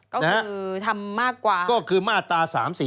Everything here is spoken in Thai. ก็คือทำมากกว่าก็คือมาตรา๓๔